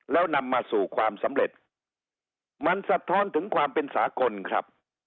แล้วนำมาสู่ความสำเร็จมันสะท้อนถึงความเป็นสากลครับ